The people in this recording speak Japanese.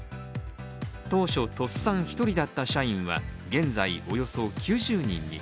当初、鳥巣さん１人だった社員は現在、およそ９０人に。